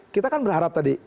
kita kan berharap tadi